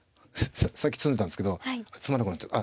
さっき詰んでたんですけど詰まなくなっちゃった。